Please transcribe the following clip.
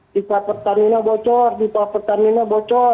tipah pertamina bocor tipah pertamina bocor